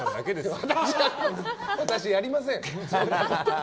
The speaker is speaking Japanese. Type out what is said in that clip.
私、やりません。